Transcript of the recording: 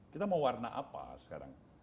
kita mau warna apa sekarang